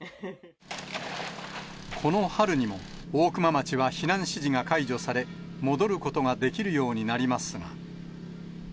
この春にも、大熊町は避難指示が解除され、戻ることができるようになりますが。